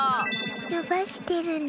のばしてるの。